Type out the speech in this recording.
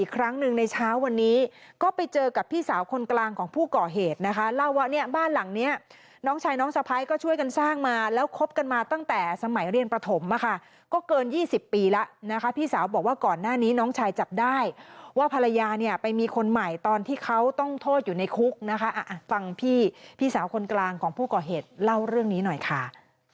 คือบ้านหลังนี้น้องชายน้องสะพายก็ช่วยกันสร้างมาแล้วคบกันมาตั้งแต่สมัยเรียนปฐมอะค่ะก็เกิน๒๐ปีแล้วพี่สาวบอกว่าก่อนหน้านี้น้องชายจับได้ว่าภรรยาไปมีคนใหม่ตอนที่เขาต้องโทษอยู่ในคุกนะคะฟังพี่พี่สาวคนกลางของผู้ก่อเหตุเล่าเรื่องนี้หน่อยค่ะ